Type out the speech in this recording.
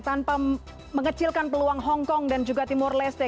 tanpa mengecilkan peluang hongkong dan juga timur leste